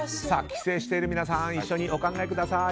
帰省している皆さん一緒にお考えください。